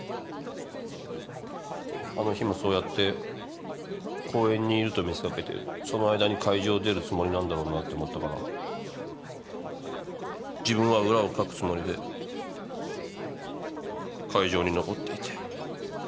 あの日もそうやって公園にいると見せ掛けてその間に会場を出るつもりなんだろうなって思ったから自分は裏をかくつもりで会場に残っていて。